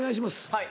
はい。